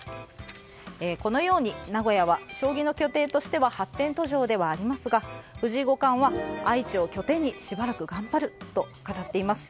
このように名古屋は将棋の拠点としては発展途上ではありますが藤井五冠は愛知を拠点にしばらく頑張ると語っています。